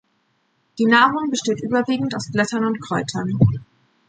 Die Nahrung besteht überwiegend aus Blättern und Kräutern.